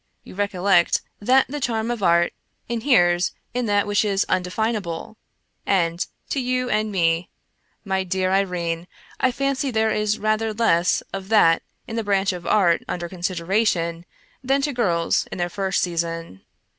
You recollect that the charm of art inheres in that which is un definable, and to you and me, my dear Irene, I fancy there is rather less of that in the branch of art under considera tion than to girls in their first season.